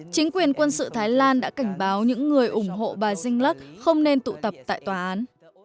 chính quyền quân sự thái lan đã cảnh báo những người ủng hộ bà zing lắc không nên tụ tập tại tòa án